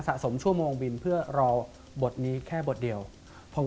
ฮะสะสมชั่วมวงบินเพื่อรอบทนี้แค่บทเดียวคอร์น์